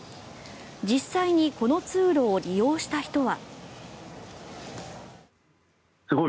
実際にこの通路を利用した人は。